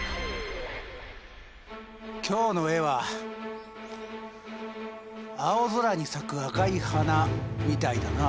今日の絵は「青空に咲く赤い花」みたいだな。